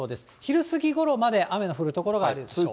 昼過ぎごろまで雨の降る所があるでしょう。